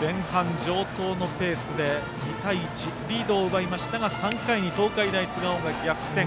前半、城東のペースで２対１とリードを奪いましたが３回に東海大菅生が逆転。